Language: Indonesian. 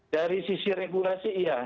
dari sisi regulasi iya